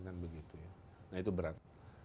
nah itu berat